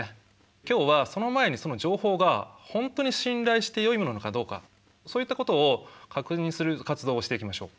今日はその前にその情報が本当に信頼してよいものなのかどうかそういったことを確認する活動をしていきましょう。